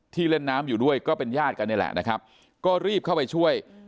เล่นน้ำอยู่ด้วยก็เป็นญาติกันนี่แหละนะครับก็รีบเข้าไปช่วย